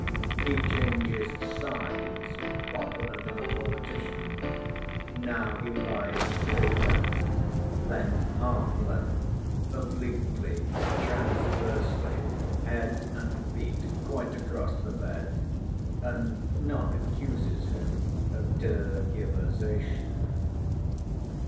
He changes sides oftener than a politician. Now he lies full length, then half length, obliquely, transversely, head and feet quite across the bed; and none accuses him of tergiversation.